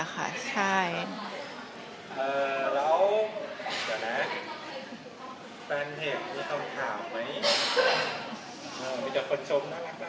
แล้วแฟนเทปจะทำข่าวไหม